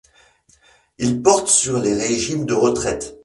Il porte sur les régimes de retraites.